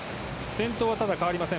先頭は変わりません。